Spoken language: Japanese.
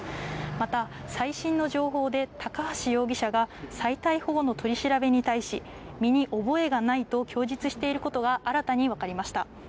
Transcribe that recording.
また最新の情報で高橋容疑者が、再逮捕後の取り調べに対し、身に覚えがないと供述していることが新たに分かりました。